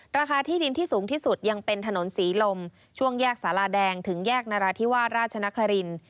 ราคาที่ดินที่สูงที่สุดยังเป็นถนนศรีลมช่วงแยกสาราแดงถึงแยกนราธิวาสราชนคริน